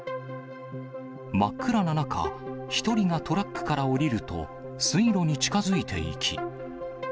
真っ暗な中、１人がトラックから降りると、水路に近づいていき。